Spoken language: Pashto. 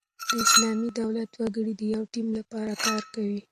د اسلامي دولت وګړي د یوه ټیم له پاره کار کوي.